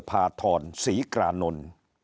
ดรพาทอนศรีกรานนล